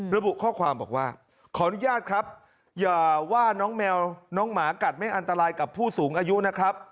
ระบุข้อความบอกว่าขออนุญาตครับอย่าว่าน้องแมวน้องหมากัดไม่อันตรายกับผู้สูงอายุนะครับ